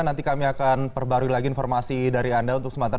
nanti kami akan perbarui lagi informasi dari anda untuk sementara